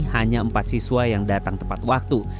hanya empat siswa yang datang tepat waktu